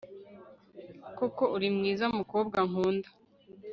koko uri mwiza, mukobwa nkunda